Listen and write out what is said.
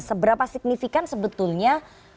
seberapa signifikan sebetulnya